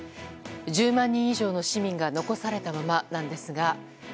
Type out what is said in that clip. １０万人以上の市民が残されたままなんですが。